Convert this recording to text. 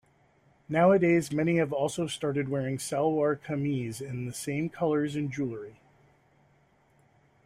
Nowadays many have also started wearing salwar kameez in the same colours and jewellery.